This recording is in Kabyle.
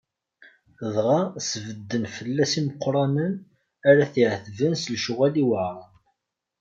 Dɣa sbedden fell-as imeqqranen ara t-iɛetben s lecɣal iweɛṛen.